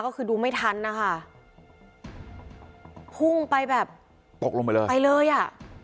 ก็คือดูไม่ทันนะคะพุ่งไปแบบตกลงไปเลยไปเลยอ่ะ